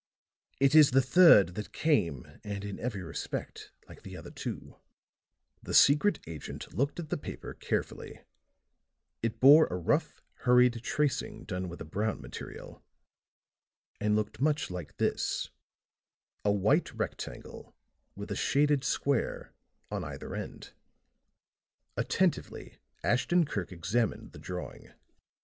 "It is the third that came and in every respect like the other two." The secret agent looked at the paper carefully; it bore a rough, hurried tracing done with a brown material and looked much like this: Attentively Ashton Kirk examined the drawing.